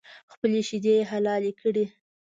خپلې شیدې یې حلالې کړې.